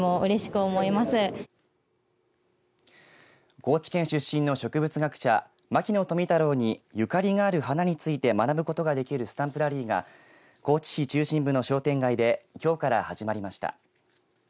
高知県出身の植物学者牧野富太郎にゆかりがある花について学ぶことができるスタンプラリーが高知市中心部の商店街できょうから始まりました。